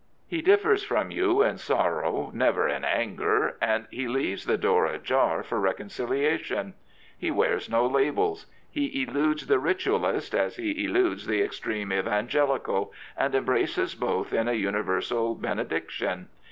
He differs from you in sorrow, never in anger, and he leaves the door ajar for reconciliation. He wears no labels. He ehidfes the Ritualist as he eludes the extreme Evangelical, and embraces both in a universal bene diction.